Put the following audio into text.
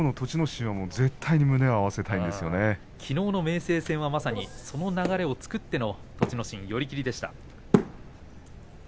心は絶対にきのうの明生戦はまさにその流れを作っての寄り切りでした。